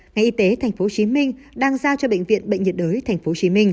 ngành y tế tp hcm đang giao cho bệnh viện bệnh nhiệt đới tp hcm